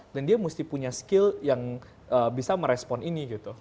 dan dia mesti punya skill yang bisa merespon ini gitu